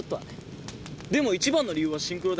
でもいちばんの理由はシンクロだよ。